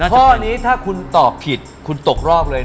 ข้อนี้ถ้าคุณตอบผิดคุณตกรอบเลย